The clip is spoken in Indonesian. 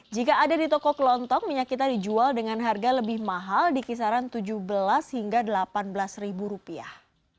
jika ada di toko kelontong minyak kita dijual dengan harga lebih mahal di kisaran tujuh belas hingga delapan belas ribu rupiah